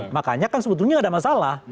makanya kan sebetulnya nggak ada masalah